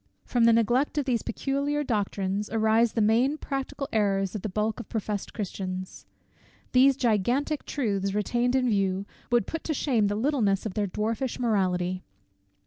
From the neglect of these peculiar doctrines arise the main practical errors of the bulk of professed Christians. These gigantic truths retained in view, would put to shame the littleness of their dwarfish morality.